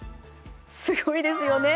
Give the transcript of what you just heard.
すごいですよね。